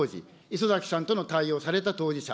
礒崎さんとの対応をされた当事者。